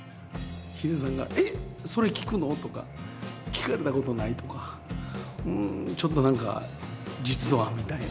ヒデさんが「えっそれ聞くの？」とか「聞かれたことない」とか「ちょっと何か実は」みたいな。